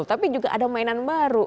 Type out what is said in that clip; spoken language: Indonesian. tapi juga ada mainan baru